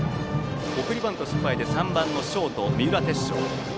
送りバントが失敗でバッターは３番のショート、三浦鉄昇。